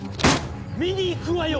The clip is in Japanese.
見に行くわよ！